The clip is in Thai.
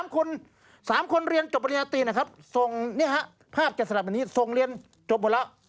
ครับ